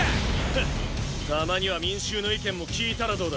ハッたまには民衆の意見も聞いたらどうだ？